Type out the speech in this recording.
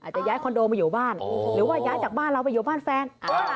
หรือว่าย้ายจากบ้านเราไปอยู่บ้านแฟน